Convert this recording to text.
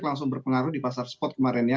langsung berpengaruh di pasar spot kemarin ya